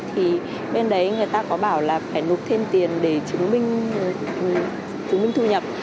thì bên đấy người ta có bảo là phải nộp thêm tiền để chứng minh thu nhập